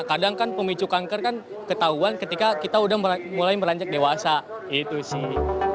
kadang kan pemicu kanker kan ketahuan ketika kita udah mulai beranjak dewasa gitu sih